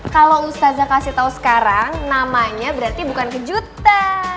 kalo ustazah kasih tau sekarang namanya berarti bukan kejutan